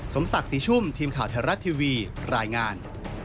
สมศักดิ์ศรีชุ่มทีมข่าวไทยรัฐทีวีรายงาน